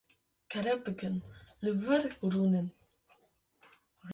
Kerem bikin, li vir rûnin.